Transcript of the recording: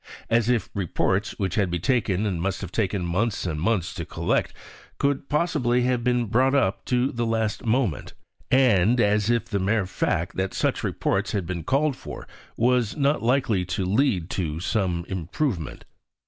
As if reports, which had taken and must have taken months and months to collect, could possibly have been brought up to the last moment! And as if the mere fact that such reports had been called for was not likely to lead to some improvement!